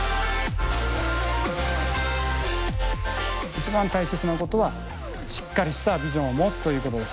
一番大切なことはしっかりしたビジョンを持つということです。